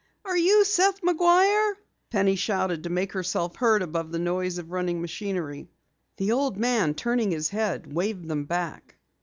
"Are you Seth McGuire?" Penny shouted to make herself heard above the noise of running machinery. The old man, turning his head, waved them back.